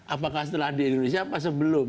apakah setelah di indonesia apa sebelum